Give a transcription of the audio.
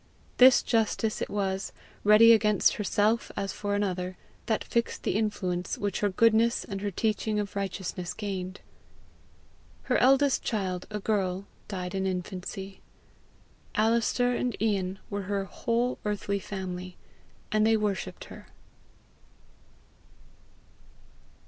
This justice it was, ready against herself as for another, that fixed the influence which her goodness and her teaching of righteousness gained. Her eldest child, a girl, died in infancy. Alister and Ian were her whole earthly family, and they worshipped her.